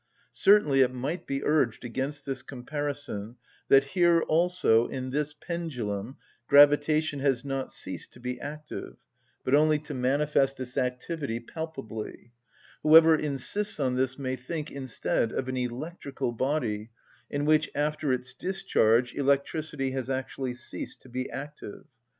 Certainly it might be urged against this comparison, that here also, in this pendulum, gravitation has not ceased to be active, but only to manifest its activity palpably; whoever insists on this may think, instead, of an electrical body, in which, after its discharge, electricity has actually ceased to be active.